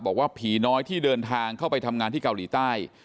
บอกว่าผีน้อยที่เดินทางเข้าไปทำงานที่เกาหลีใต้